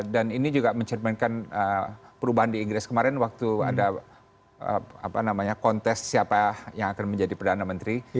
dan ini juga mencerminkan perubahan di inggris kemarin waktu ada kontes siapa yang akan menjadi perdana menteri